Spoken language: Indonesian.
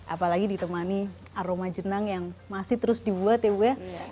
apalagi ditemani aroma jenang yang masih terus dibuat ya ibu ya